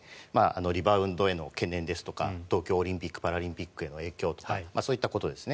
リバウンドへの懸念ですとか東京オリンピック・パラリンピックへの影響とかそういったことですね。